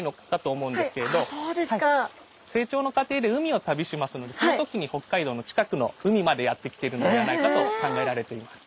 成長の過程で海を旅しますのでその時に北海道の近くの海までやって来ているのではないかと考えられています。